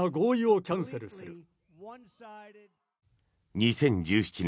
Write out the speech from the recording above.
２０１７年